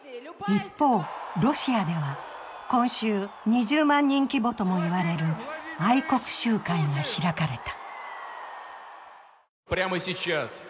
一方、ロシアでは今週、２０万人規模ともいわれる愛国集会が開かれた。